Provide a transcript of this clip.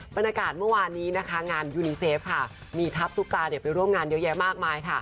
บรรณาการเมื่อวานนี้ฯงานยูนีเซฟมีทัพสุกราชไปร่วมงานเยอะแยะมากมาย